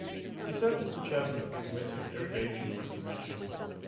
He served as chairman of the Committee on Irrigation and Reclamation.